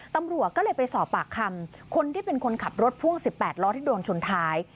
ตำรวจก็เลยไปสอบปากคำคนที่เป็นคนขับรถพ่วง๑๘ล้อที่โดนชนท้าย